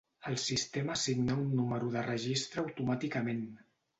El sistema assigna un número de registre automàticament.